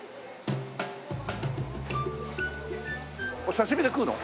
刺し身で食うの？